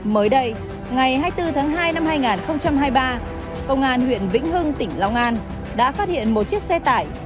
mới đây ngày hai mươi bốn tháng hai năm hai nghìn hai mươi ba công an huyện vĩnh hưng tỉnh long an đã phát hiện một chiếc xe tải